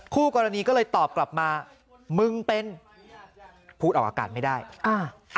คู่กรณีก็เลยตอบกลับมามึงเป็นพูดออกอาการไม่ได้อ่า